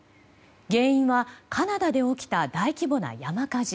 原因はカナダで起きた大規模な山火事。